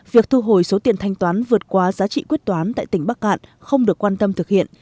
việc thu hồi số tiền thanh toán vượt qua giá trị quyết toán tại tỉnh bắc cạn không được quan tâm thực hiện